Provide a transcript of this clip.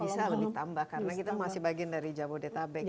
bisa lebih tambah karena kita masih bagian dari jabodetabek